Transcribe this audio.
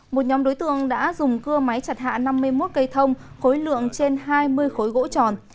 một nhóm đối tượng đã dùng cưa máy chặt hạ năm mươi một cây thông khối lượng trên hai mươi khối gỗ tròn